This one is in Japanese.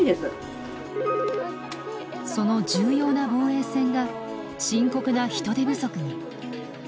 その重要な防衛線が深刻な人手不足に。